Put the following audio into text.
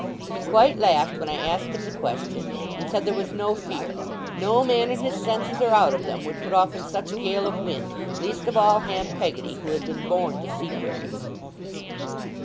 He quite laughed when I asked him the question, and said there was no fear; no man in his senses, or out of them, would put off in such a gale of wind, least of all Ham Peggotty, who had been born to seafaring.